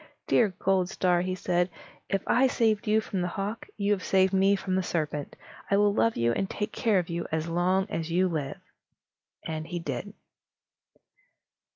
"Dear Goldstar," he said, "if I saved you from the hawk, you have saved me from the serpent. I will love you and take care of you as long as you live." And so he did.